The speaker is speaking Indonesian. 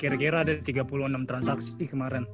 kira kira ada tiga puluh enam transaksi kemarin